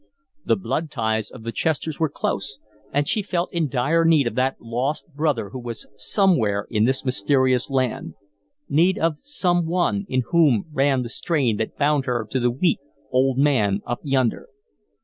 The blood ties of the Chesters were close and she felt in dire need of that lost brother who was somewhere in this mysterious land need of some one in whom ran the strain that bound her to the weak old man up yonder.